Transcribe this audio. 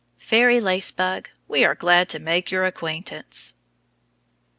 Fairy lace bug, we are glad to make your acquaintance.